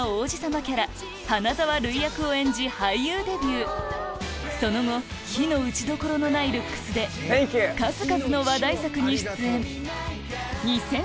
キャラ花沢類役を演じ俳優デビューその後非の打ちどころのないルックスで数々の話題作に出演